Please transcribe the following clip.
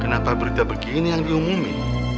kenapa berita begini yang diumumin